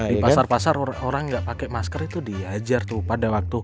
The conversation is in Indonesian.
di pasar pasar orang gak pake masker itu diajar tuh pada waktu